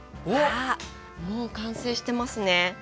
あっもう完成してますね。